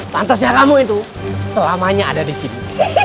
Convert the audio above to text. pantasnya kamu itu selamanya ada disini